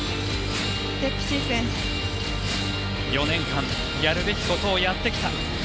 ４年間やるべきことをやってきた。